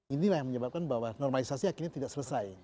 inilah yang menyebabkan bahwa normalisasi akhirnya tidak selesai